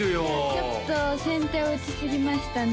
ちょっと先手を打ちすぎましたね